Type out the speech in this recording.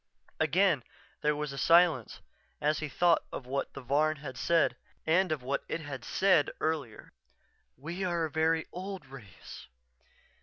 _" Again there was a silence as he thought of what the Varn had said and of what it had said earlier: "_We are a very old race....